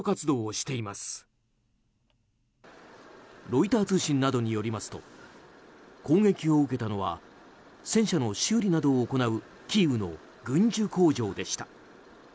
ロイター通信などによりますと攻撃を受けたのは戦車の修理などを行うキーウの軍需工場でした。